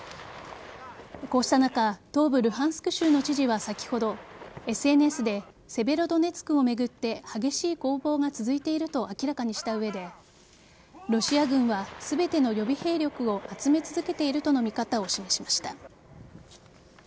こうした中東部・ルハンスク州の知事は先ほどＳＮＳでセベロドネツクを巡って激しい攻防が続いていると明らかにした上でロシア軍は全ての予備兵力を集め続けているとの見方を示しました。